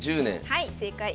はい正解。